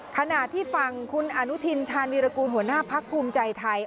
ขณะที่ฝั่งคุณอนุทินชาญวีรกูลหัวหน้าพักภูมิใจไทย